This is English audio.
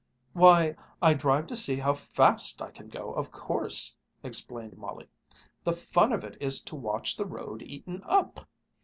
"Why, I drive to see how fast I can go, of course," explained Molly. "The fun of it is to watch the road eaten up."